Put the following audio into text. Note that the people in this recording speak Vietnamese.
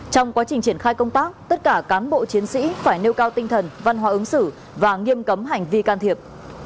trong quá trình triển khai công tác tất cả cán bộ chiến sĩ phải nêu cao tinh thần văn hóa ứng xử và nghiêm cấm hành vi can thiệp